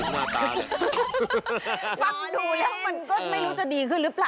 มันก็ไม่รู้จะดีขึ้นหรือเปล่านะ